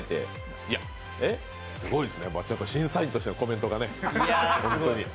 いや、すごいですね、審査員としてのコメントがね、本当に。